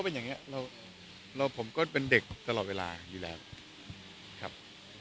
เป็นอย่างนี้เราผมก็เป็นเด็กตลอดเวลาอยู่แล้วครับ